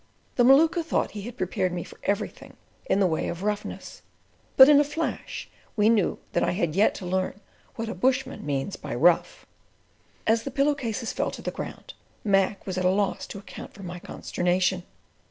The Maluka thought he had prepared me for everything in the way of roughness; but in a flash we knew that I had yet to learn what a bushman means by rough. As the pillow cases fell to the ground, Mac was at a loss to account for my consternation.